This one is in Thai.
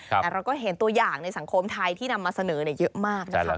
แต่เราก็เห็นตัวอย่างในสังคมไทยที่นำมาเสนอเยอะมากนะคะ